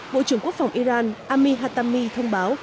bộ trưởng quốc phòng iran amir hatami thông báo